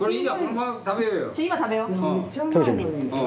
今食べよう。